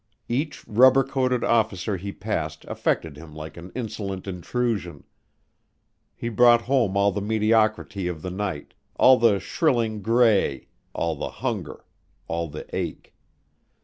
Each rubber coated officer he passed affected him like an insolent intrusion. He brought home all the mediocrity of the night, all the shrilling gray, all the hunger, all the ache.